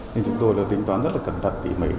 nên chúng tôi tính toán rất là cẩn thận tỉ mỉ